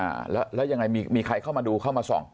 อ่าแล้วแล้วยังไงมีมีใครเข้ามาดูเข้ามาส่อง